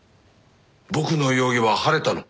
僕の容疑は晴れたの？